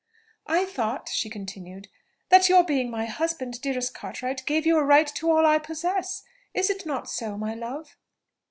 "I thought," she continued, "that your being my husband, dearest Cartwright, gave you a right to all I possess. Is it not so, my love?"